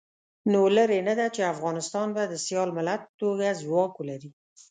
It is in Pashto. نو لرې نه ده چې افغانستان به د سیال ملت په توګه ځواک ولري.